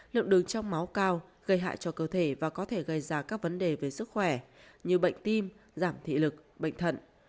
lượng đường trong máu cao gây hại cho cơ thể và có thể gây ra các vấn đề về sức khỏe như bệnh tim giảm thị lực bệnh thận